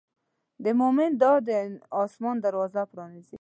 د مؤمن دعا د آسمان دروازه پرانیزي.